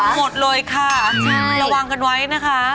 หมดเลยค่ะระวังกันไว้นะคะ